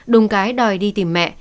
đùng cái đòi đi tìm mẹ